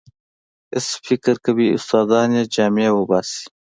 هسې فکر کوي استادان یې جامې وباسي.